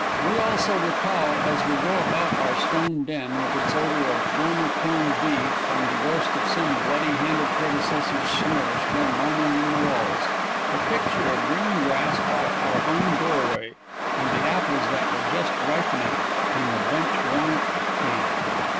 We also recall as we go about our stone den, with its odor of former corned beef, and the ghost of some bloody handed predecessor's snore still moaning in the walls, the picture of green grass by our own doorway, and the apples that were just ripening, when the bench warrant came.